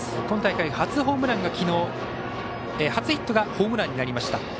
今大会、きのう初ヒットがホームランになりました。